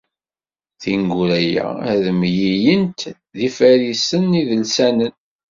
Tineggura-a, ad mlilent d ifarisen idelsanen.